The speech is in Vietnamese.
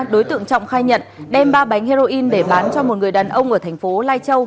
đối tượng trọng khai nhận đem ba bánh heroin để bán cho một người đàn ông ở thành phố lai châu